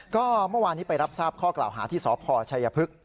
ก็เมื่อวานนี้ไปรับทราบข้อกล่าวหาที่สพชัยพฤกษ